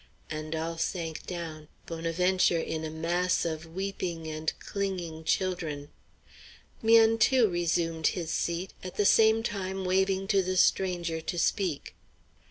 And all sank down, Bonaventure in a mass of weeping and clinging children. 'Mian too resumed his seat, at the same time waving to the stranger to speak.